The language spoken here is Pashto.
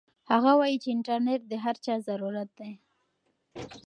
هغه وایي چې انټرنيټ د هر چا ضرورت دی.